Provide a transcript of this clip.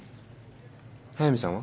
速見さんは？